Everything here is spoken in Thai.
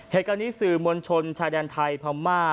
เหตุการณ์นี้สื่อมวลชนชายแดนไทยพม่า